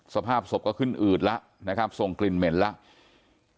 สภาพศพก็ขึ้นอืดแล้วนะครับส่งกลิ่นเหม็นแล้ว